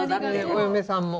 お嫁さんも。